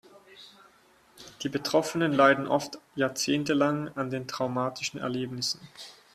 Die Betroffenen leiden oft jahrzehntelang an den traumatischen Erlebnissen.